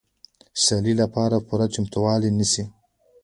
د سیالۍ لپاره پوره چمتووالی نیسي.